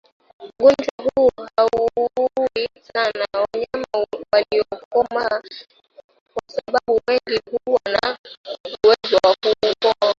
Ugonjwa huu hauui sana wanyama waliokomaa kwa sababu wengi huwa na uwezo wa kupona